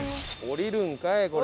降りるんかいこれ。